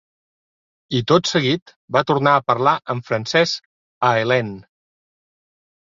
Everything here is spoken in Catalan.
I, tot seguit, va tornar a parlar en francès a Helene.